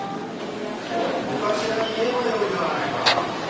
長官に言えばよいではないか！